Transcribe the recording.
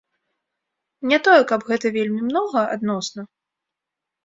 Не тое, каб гэта вельмі многа, адносна.